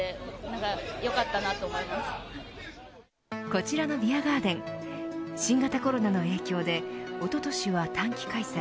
こちらのビアガーデン新型コロナの影響でおととしは短期開催。